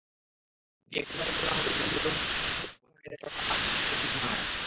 Diego ম্যারাডোনার মতো কিংবদন্তিকে পঞ্চম বিভাগের একটা ক্লাবের কোচ হিসেবে ঠিক মানায় না।